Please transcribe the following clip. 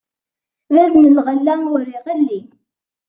Bab n lɣella, ur iɣelli.